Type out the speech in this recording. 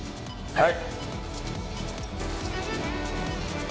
はい。